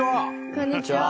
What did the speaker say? こんにちは。